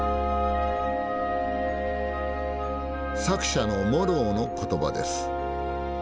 作者のモローの言葉です。